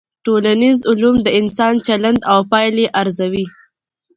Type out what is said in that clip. ټولنيز علوم د انسان چلند او پايلي ارزوي.